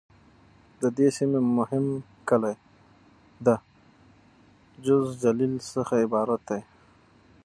د دې سیمې مهم کلي د: جوز، جلیل..څخه عبارت دي.